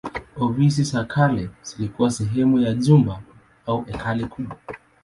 Ofisi za kale zilikuwa sehemu ya jumba au hekalu kubwa.